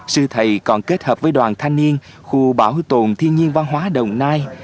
sư thầy còn kết hợp với đoàn thanh niên khu bảo tồn thiên nhiên văn hóa đồng nai